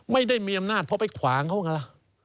ไม่ได้มีอำนาจเพราะไปขวางเขาไงล่ะ